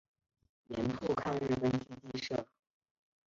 盐阜抗日根据地设。